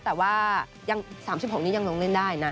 แต่ว่า๓๖นี้ยังลงเล่นได้นะ